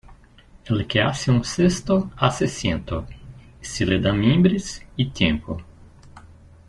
El que hace un cesto hace ciento, si le dan mimbres y tiempo.